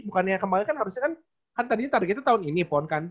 bukannya kemarin kan harusnya kan tadi targetnya tahun ini pon kan